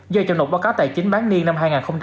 do chậm nộp báo cáo tài chính bán niên năm hai nghìn hai mươi